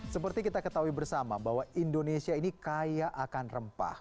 seperti kita ketahui bersama bahwa indonesia ini kaya akan rempah